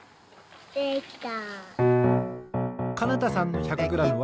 できた。